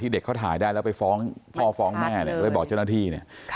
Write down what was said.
เด็กเขาถ่ายได้แล้วไปฟ้องพ่อฟ้องแม่เนี่ยไปบอกเจ้าหน้าที่เนี่ย